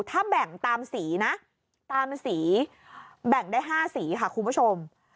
ถ้าแบ่งตามสีนะตามสีแบ่งได้๕สีค่ะคุณผู้ชม